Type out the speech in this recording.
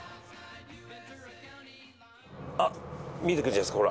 見えてくるんじゃないですか？